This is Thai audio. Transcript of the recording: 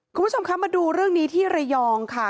คุณผู้ชมคะมาดูเรื่องนี้ที่ระยองค่ะ